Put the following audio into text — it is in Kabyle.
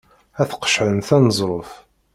Ad t-qeccɛen s aneẓruf.